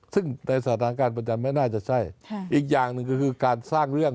ซึ่งในสถานการณ์ประจำไม่น่าจะใช่อีกอย่างหนึ่งก็คือการสร้างเรื่อง